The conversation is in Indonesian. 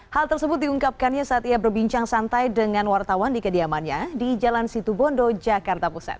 hal tersebut diungkapkannya saat ia berbincang santai dengan wartawan di kediamannya di jalan situbondo jakarta pusat